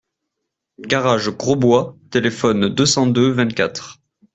Garage Grosbois, téléphone deux cent deux-vingt-quatre.